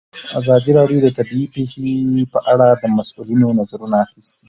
ازادي راډیو د طبیعي پېښې په اړه د مسؤلینو نظرونه اخیستي.